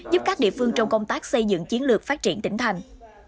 giúp các địa phương trong công tác xây dựng chiến lược phát triển tỉnh thành